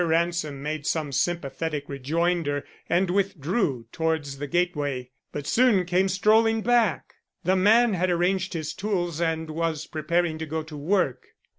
Ransom made some sympathetic rejoinder and withdrew towards the gateway, but soon came strolling back. The man had arranged his tools and was preparing to go to work.